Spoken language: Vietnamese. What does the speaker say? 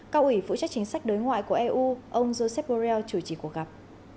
cao ủy phụ trách chính sách đối ngoại của eu ông joseph borrell chủ trì cuộc gặp